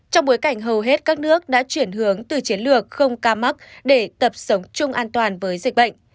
trong bối cảnh hầu hết các nước đã chuyển hướng từ chiến lược không ca mắc để tập sống chung an toàn với dịch bệnh